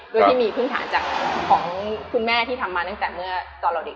โดยที่มีพื้นฐานจากของคุณแม่ที่ทำมาตั้งแต่เมื่อตอนเราเด็ก